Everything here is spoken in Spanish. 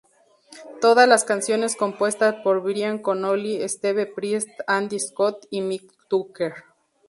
Todas las canciones compuestas por Brian Connolly, Steve Priest, Andy Scott y Mick Tucker.